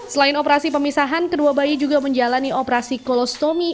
selain operasi pemisahan kedua bayi juga menjalani operasi kolostomi